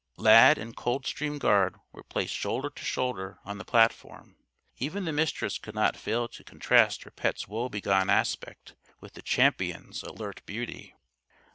Lad and Coldstream Guard were placed shoulder to shoulder on the platform. Even the Mistress could not fail to contrast her pet's woe begone aspect with the Champion's alert beauty.